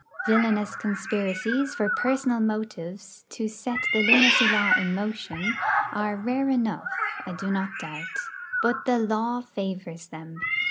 Villainous conspiracies, for personal motives, to set the lunacy law in motion, are rare enough, I do not doubt. But the law favours them.